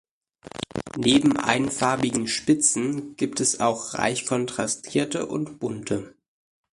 Neben einfarbigen Spitzen, gibt es auch reich kontrastierte und bunte.